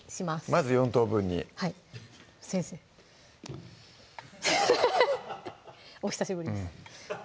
まず４等分に先生お久しぶりです